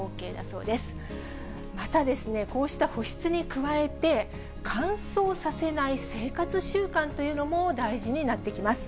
またですね、こうした保湿に加えて、乾燥させない生活習慣というのも大事になってきます。